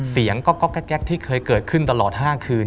เสียงก็ก๊อกแก๊กที่เคยเกิดขึ้นตลอด๕คืน